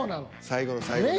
最後の最後で。